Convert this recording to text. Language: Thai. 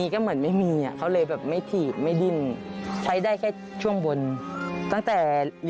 คือจิ้มอะไรอย่างงี้ไม่รู้สึกเลย